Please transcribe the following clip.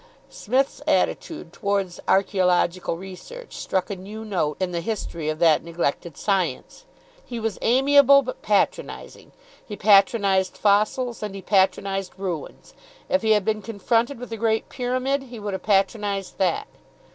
Psmith's attitude towards archaeological research struck a new note in the history of that neglected science. He was amiable, but patronising. He patronised fossils, and he patronised ruins. If he had been confronted with the Great Pyramid, he would have patronised that.